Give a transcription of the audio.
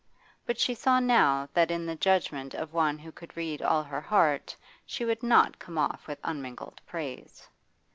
But she saw now that in the judgment of one who could read all her heart she would not come off with unmingled praise.